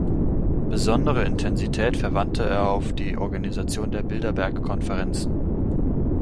Besondere Intensität verwandte er auf die Organisation der Bilderberg-Konferenzen.